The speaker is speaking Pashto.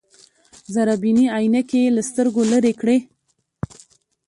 ذره بيني عينکې يې له سترګو لرې کړې.